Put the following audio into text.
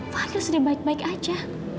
fahri sudah baik baik aja